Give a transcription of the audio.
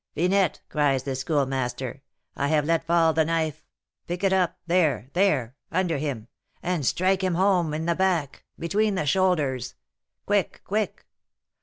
'Finette,' cries the Schoolmaster, 'I have let fall the knife; pick it up, there, there, under him, and strike him home, in the back, between the shoulders; quick! quick!'